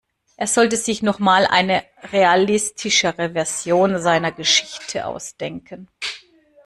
Er sollte sich noch mal eine realistischere Version seiner Geschichte ausdenken.